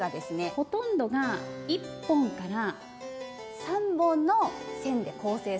ほとんどが１本から３本の線で構成されてます。